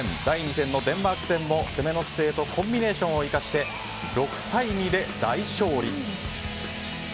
第２戦のデンマーク戦も攻めの姿勢とコンビネーションを生かして６対２で大勝利。